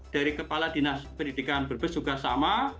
dari kepala dinas pendidikan berbes juga sama